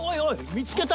見つけた！